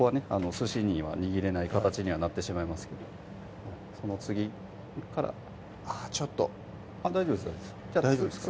寿司には握れない形にはなってしまいますけどその次からあぁちょっと大丈夫です大丈夫です大丈夫ですか？